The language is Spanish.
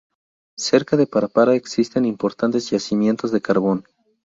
Cerca de Parapara existen importantes yacimientos de carbón.